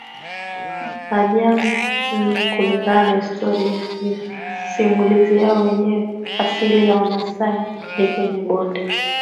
majangwa NneKulingana na historia simulizi yao wenyewe asili ya Wamasai ni kwenye bonde